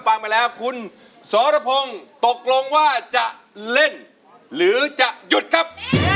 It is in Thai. ฟังไปแล้วคุณสรพงศ์ตกลงว่าจะเล่นหรือจะหยุดครับ